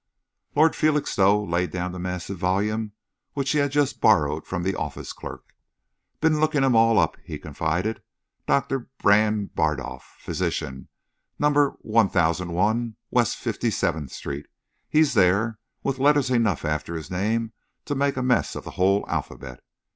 Lord Felixstowe laid down the massive volume which he had just borrowed from the office clerk. "Been looking 'em all up," he confided. "Doctor Brand Bardolf, Physician, Number 1001 West Fifty seventh Street he's there, with letters enough after his name to make a mess of the whole alphabet.